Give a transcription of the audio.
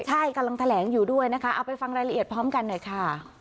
ใช่กำลังแถลงอยู่ด้วยนะคะเอาไปฟังรายละเอียดพร้อมกันหน่อยค่ะ